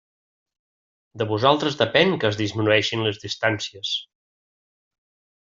De vosaltres depèn que es disminueixin les distàncies!